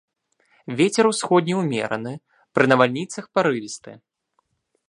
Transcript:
Вецер усходні ўмераны, пры навальніцах парывісты.